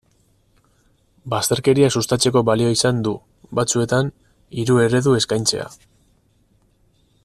Bazterkeria sustatzeko balio izan du, batzuetan, hiru eredu eskaintzea.